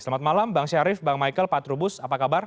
selamat malam bang syarif bang michael pak trubus apa kabar